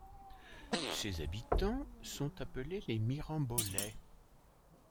Ses habitants sont appelés les Mirambolais.